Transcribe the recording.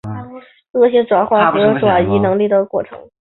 恶性转化和转移能力的过程。